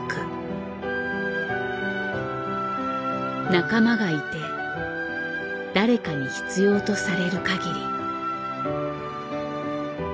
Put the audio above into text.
仲間がいて誰かに必要とされるかぎり。